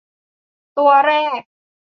ตัวแรก